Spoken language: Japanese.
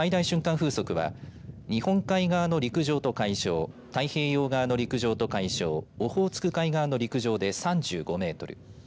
風速は日本海側の陸上と海上太平洋側の陸上と海上オホーツク海側の陸上で３５メートル